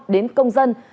đến công dân